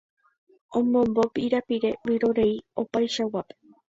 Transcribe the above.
Omombo pirapire vyrorei opaichaguápe